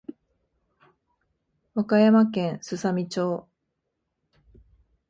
和歌山県すさみ町